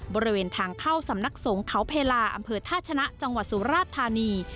บริเวณทางเข้าสำนักสงฆ์เขาเพลาอำเภอท่าชนะจังหวัดสุราชธานี